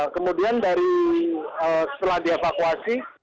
kemudian dari setelah dievakuasi